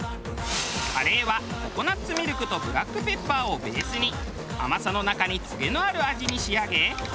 カレーはココナッツミルクとブラックペッパーをベースに甘さの中にとげのある味に仕上げ